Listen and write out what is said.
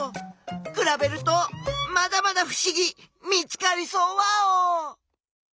くらべるとまだまだふしぎ見つかりそうワオ！